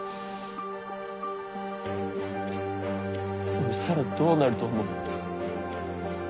そしたらどうなると思う？